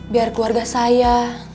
biar keluarga saya